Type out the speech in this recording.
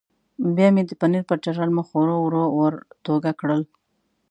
بیا مې د پنیر پر چټل مخ ورو ورو ورتوږه کړل.